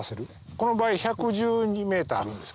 この場合１１２ｍあるんですけれども。